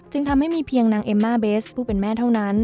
ทำให้มีเพียงนางเอมมาเบสผู้เป็นแม่เท่านั้น